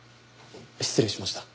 失礼しました。